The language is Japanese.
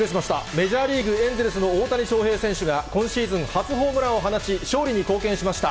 メジャーリーグ・エンゼルスの大谷翔平選手が、今シーズン初ホームランを放ち、勝利に貢献しました。